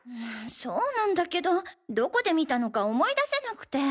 そうなんだけどどこで見たのか思い出せなくて。